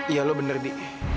iya lo bener bi